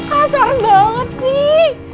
kasar banget sih